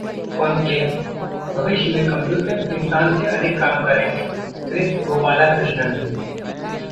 conclave: भविष्य में computer इंसान से अधिक काम करेंगे- क्रिस गोपालाकृष्णन